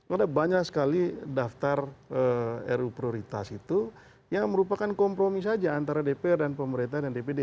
ada banyak sekali daftar ruu prioritas itu yang merupakan kompromi saja antara dpr dan pemerintah dan dpd